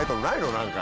何か。